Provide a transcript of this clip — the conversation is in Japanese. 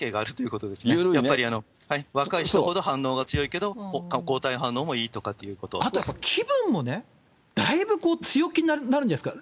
やっぱり若い人ほど反応が強いけど、あとは気分もね、だいぶ強気になるんじゃないですか。